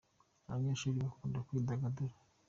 Abanyeshuri bakunda kwidagadura.